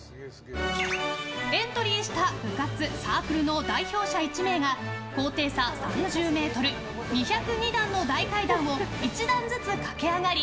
エントリーした部活・サークルの代表者１名が高低差３０ｍ２０２段の大階段を１段ずつ駆け上がり